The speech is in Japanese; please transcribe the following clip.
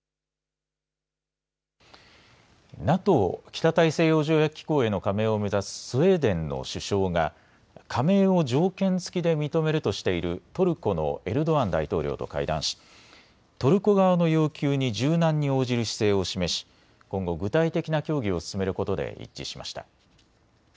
ＮＡＴＯ・北大西洋条約機構への加盟を目指すスウェーデンの首相が加盟を条件付きで認めるとしているトルコのエルドアン大統領と会談しトルコ側の要求に柔軟に応じる姿勢を示し今後、具体的な協議を進めることで一致しました。